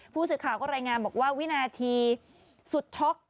ผู้สื่อข่าวก็รายงานบอกว่าวินาทีสุดช็อก